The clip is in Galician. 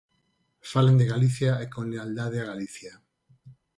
Falen de Galicia e con lealdade a Galicia.